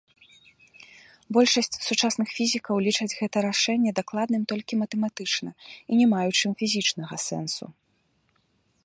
Большасць сучасных фізікаў лічаць гэта рашэнне дакладным толькі матэматычна і не маючым фізічнага сэнсу.